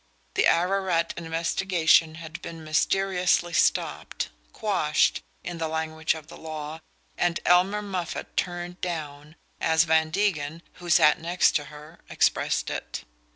The Ararat investigation had been mysteriously stopped quashed, in the language of the law and Elmer Moffatt "turned down," as Van Degen (who sat next to her) expressed it.